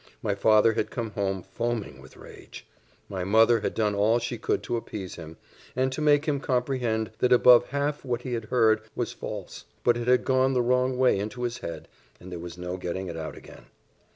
_" My father had come home foaming with rage; my mother had done all she could to appease him, and to make him comprehend that above half what he had heard was false; but it had gone the wrong way into his head, and there was no getting it out again.